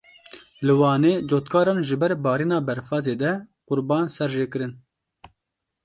Li Wanê cotkaran ji ber barîna berfa zêde qûrban ser jê kirin.